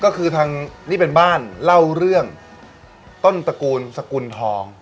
ก็คือทางนี่เป็นบ้านเล่าเรื่องต้นตระกูลสกุลทอง